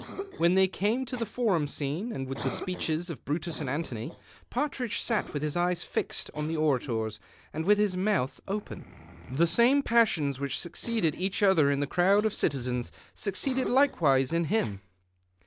When they eame to the Forum scene and the speeches of Brutus and Antony, Partridge sat with his eyes fixed on the orators and with his mouth open. The same passions which succeeded each other in the crowd of citizens succeeded likewise in him.